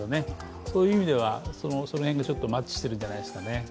そういう意味では、その辺がちょっとマッチするんじゃないですかね。